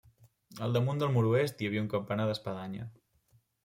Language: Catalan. Al damunt del mur oest hi havia un campanar d'espadanya.